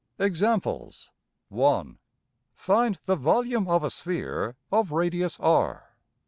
\tb \Examples. (1) Find the volume of a sphere of radius~$r$.